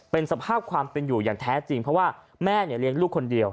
เป็นสภาพความเป็นอยู่อย่างแท้จริงเพราะว่าแม่เนี่ยเลี้ยงลูกคนเดียว